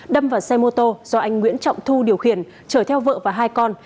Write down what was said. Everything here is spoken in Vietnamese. đâm vào xe mô tô do anh nguyễn trọng thu điều khiển chở theo vợ và hai con